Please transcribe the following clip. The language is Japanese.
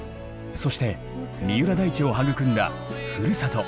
そして三浦大知を育んだふるさと